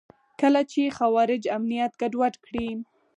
کله چې خوارج امنیت ګډوډ کړي.